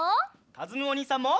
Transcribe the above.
かずむおにいさんも！